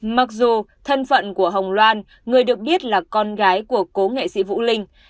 mặc dù thân phận của hồng loan người được biết là con gái của cố nghệ sĩ vũ linh